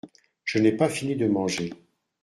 Je n’ai pas fini de manger.